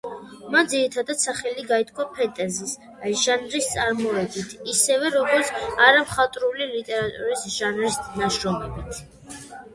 მან ძირითადად სახელი გაითქვა ფენტეზის ჟანრის ნაწარმოებით, ისევე როგორც არამხატვრული ლიტერატურის ჟანრის ნაშრომებით.